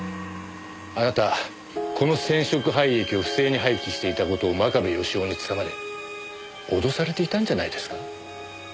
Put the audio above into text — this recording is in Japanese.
あなたこの染色廃液を不正に廃棄していた事を真壁義雄につかまれ脅されていたんじゃないですか？